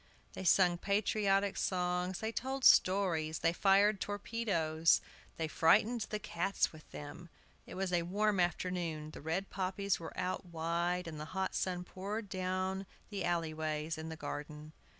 They sung patriotic songs, they told stories, they fired torpedoes, they frightened the cats with them. It was a warm afternoon; the red poppies were out wide, and the hot sun poured down on the alley ways in the garden.